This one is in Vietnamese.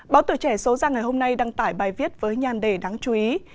báo tựa trẻ số giang ngày hôm nay đăng tải bài viết với nhan đề đáng chú ý